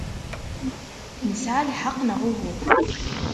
Nesɛa lḥeqq, neɣ uhu?